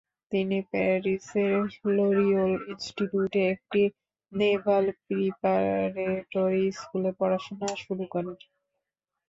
তিনি প্যারিসের লরিওল ইনস্টিটিউটে একটি নেভাল প্রিপারেটরি স্কুলে পড়াশুনা শুরু করেন।